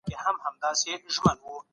کمپيوټر والدينو ته خبر ورکوي.